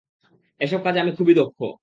এসব কাজে আমি খুবই দক্ষ।